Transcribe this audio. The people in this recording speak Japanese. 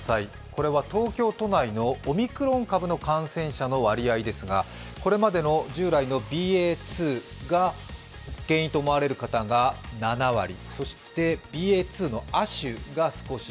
これは東京都内のオミクロン株の感染者の割合ですがこれまでの従来のＢＡ．２が原因と思われる方が７割、そして、ＢＡ．２の亜種が少し。